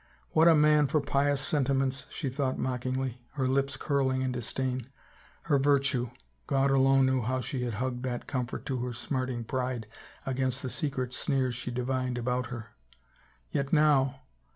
What a man for pious sentiments, she thought mock ingly, her lips curling in disdain. Her virtue — God alone knew how she had hugged that comfort to her smarting pride against the secret sneers she divined about her. Yet now.